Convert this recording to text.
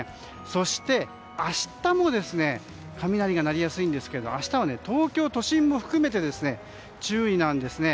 そして、明日も雷が鳴りやすいんですけど明日は東京都心も含めて注意なんですね。